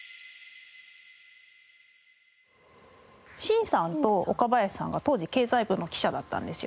進さんと岡林さんが当時経済部の記者だったんですよ。